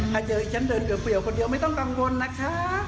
ถ้าเจอฉันเดินเปรียวคนเดียวไม่ต้องกังวลนะคะ